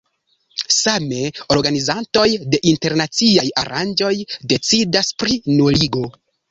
Same, organizantoj de internaciaj aranĝoj decidas pri nuligo.